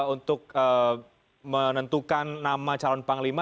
untuk menentukan nama calon panglima